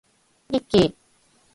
ミッキー